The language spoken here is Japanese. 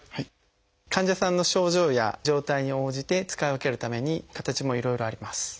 患者さんの症状や状態に応じて使い分けるために形もいろいろあります。